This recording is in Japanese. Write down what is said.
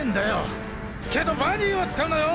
けどバニーは使うなよ！